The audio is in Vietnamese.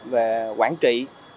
về quản trị